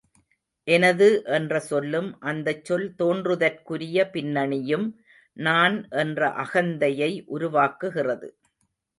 எனது என்ற சொல்லும், அந்தச் சொல் தோன்றுதற்குரிய பின்னணியும் நான் என்ற அகந்தையை உருவாக்குகிறது.